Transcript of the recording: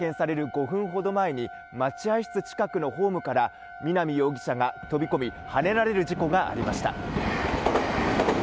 ５分ほど前に待合室近くのホームから南容疑者が飛び込みはねられる事故がありました。